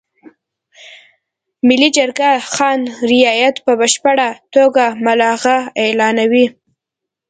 ملي جرګه خان رعیت نظام په بشپړه توګه ملغا اعلانوي.